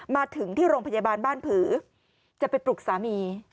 มาถึงที่โรงพยาบาลบ้านผือจะไปปลุกสามี